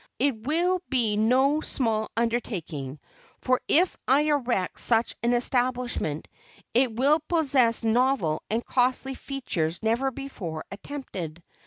It will be no small undertaking; for if I erect such an establishment, it will possess novel and costly features never before attempted.